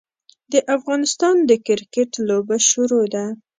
د افغانستان د کرکیټ لوبه شروع ده.